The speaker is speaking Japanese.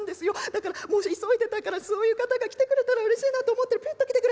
だから急いでたからそういう方が来てくれたらうれしいなと思ったらピュッと来てくれて。